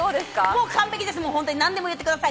もう完璧です、何でも言ってください。